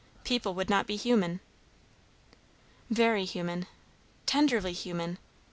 "People would not be human." "Very human tenderly human.